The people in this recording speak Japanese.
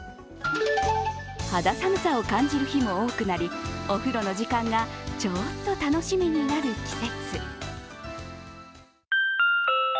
肌寒さを感じる日も多くなりお風呂の時間がちょっと楽しみになる季節。